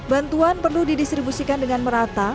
bantuan perlu didistribusikan dengan merata